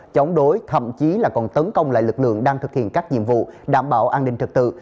chống đối thậm chí là còn tấn công lại lực lượng đang thực hiện các nhiệm vụ đảm bảo an ninh trật tự